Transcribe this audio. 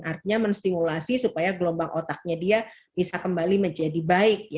artinya menstimulasi supaya gelombang otaknya dia bisa kembali menjadi baik